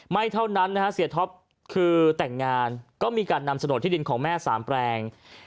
ไม่เท่านั้นนะฮะเสียท็อปคือแต่งงานก็มีการนำโฉนดที่ดินของแม่สามแปลง